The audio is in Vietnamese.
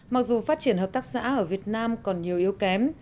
mặc dù phát triển hợp tác xã ở việt nam còn nhiều yếu kém